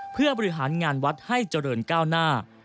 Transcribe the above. เพื่อบริหารงานวัดให้เจริญก้าวหน้า